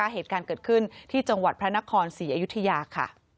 เหตุการณ์เกิดขึ้นที่จังหวัดพระนครศรีอยุธยาค่ะ